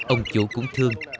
ông chủ cũng thương